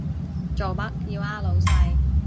做乜要呃老細？